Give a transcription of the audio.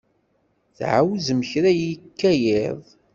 Tɛawzem kra yekka yiḍ?